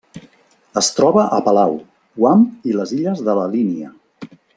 Es troba a Palau, Guam i les Illes de la Línia.